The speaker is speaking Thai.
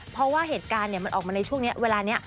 เพราะว่าเหตุการณ์มันออกมาในช่วงนี้เวลานี้